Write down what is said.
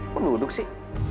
kok duduk sih